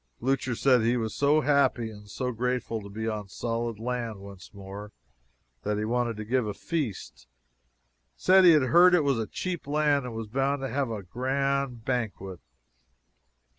Blucher said he was so happy and so grateful to be on solid land once more that he wanted to give a feast said he had heard it was a cheap land, and he was bound to have a grand banquet.